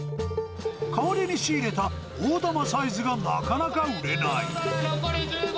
代わりに仕入れた大玉サイズがなかなか売れない。